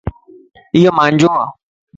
ايو مانجوَ